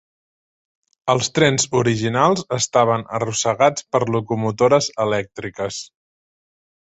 Els trens originals estaven arrossegats per locomotores elèctriques.